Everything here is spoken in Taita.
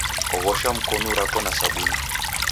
Oghosha mkonu rako na sabuni